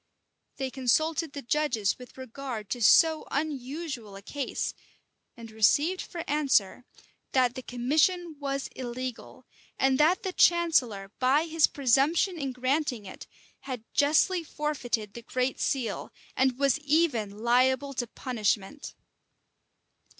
They consulted the judges with regard to so unusual a case; and received for answer, that the commission was illegal, and that the chancellor, by his presumption in granting it, had justly forfeited the great seal, and was even liable to punishment.